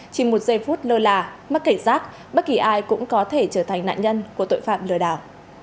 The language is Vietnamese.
chỉ một giây phút lơ là mắc kể rác bất kỳ ai cũng có thể trở thành nạn nhân của tội phạm lừa đảo